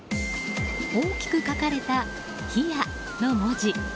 大きく書かれた「冷」の文字。